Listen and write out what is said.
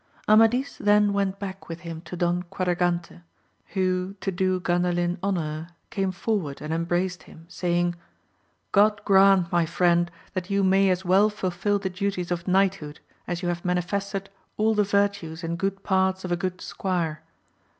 Amadis then went back with him to Don Quadragante, who, to do Gandalin honour, came forward and em braced him saying, God grant, my friend, that you may as well fulfil the duties of knighthood, as you have manifested all the virtues and good parts of a good squire.